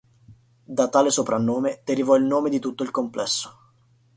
Da tale soprannome derivò il nome di tutto il complesso.